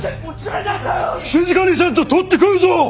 静かにせんととって食うぞ！